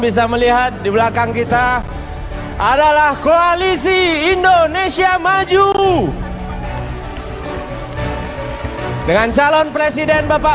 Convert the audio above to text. bisa melihat di belakang kita adalah koalisi indonesia maju dengan calon presiden bapak